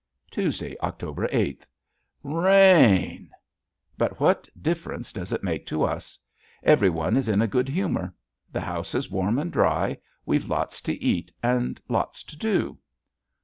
Tuesday, October eighth. RAIN! But what difference does it make to us. Everyone is in a good humor. The house is warm and dry; we've lots to eat and lots to do.